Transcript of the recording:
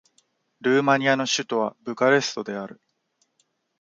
ルーマニアの首都はブカレストである